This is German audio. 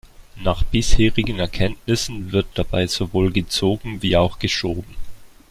Nach bisherigen Erkenntnissen wird dabei sowohl gezogen wie auch geschoben.